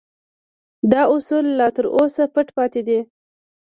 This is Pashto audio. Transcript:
دا اصول لا تر اوسه پټ پاتې دي